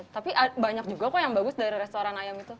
tapi banyak juga kok yang bagus dari restoran ayam itu